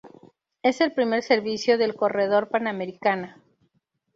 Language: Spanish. Es el primer servicio del Corredor Panamericana.